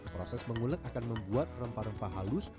proses mengulek akan membuat rempah rempah halus